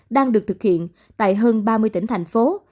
đang được thực hiện tại hơn ba mươi tỉnh thành phố